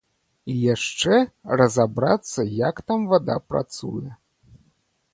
І яшчэ разабрацца, як там вада працуе.